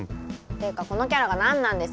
ていうかこのキャラが何なんですか？